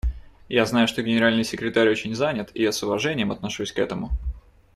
Я знаю, что Генеральный секретарь очень занят, и я с уважением отношусь к этому.